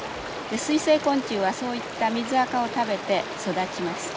水生昆虫はそういった水アカを食べて育ちます。